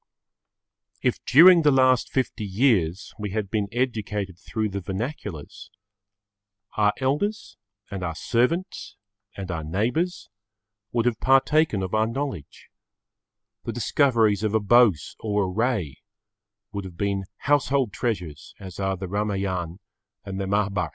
If during the last fifty years we had been educated through the vernaculars, our elders and our servants and our neighbours would have partaken of our knowledge; the discoveries of a Bose or a Ray would have been household treasures as are the Ramayan and the Mahabharat.